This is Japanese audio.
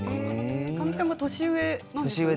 神木さんは年上なんですよね